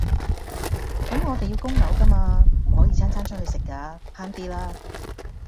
咁我哋要供樓㗎嘛，唔可以餐餐出去食㗎，慳啲啦